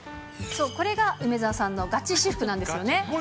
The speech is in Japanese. これが梅澤さんのがち私服なんですよね。